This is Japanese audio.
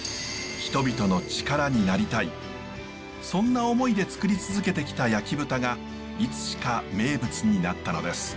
そんな思いでつくり続けてきた焼き豚がいつしか名物になったのです。